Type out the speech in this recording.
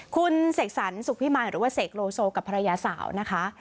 คุณเสกสรรสุขพิมายหรือว่าเสกโลโซกับภรรยาสาวนะคะ